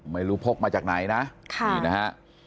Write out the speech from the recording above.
ไม่รู้พกมาจากไหนนะค่ะนี่นะฮะ